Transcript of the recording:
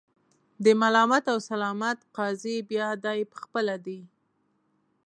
د ملامت او سلامت قاضي بیا دای په خپله دی.